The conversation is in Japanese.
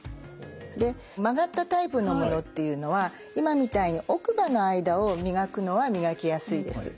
で曲がったタイプのものっていうのは今みたいに奥歯の間を磨くのは磨きやすいです。